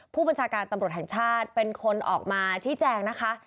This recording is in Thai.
ผู้บัญชาการตำรวจแห่งชาติเป็นคนออกมาชี้แจงนะคะ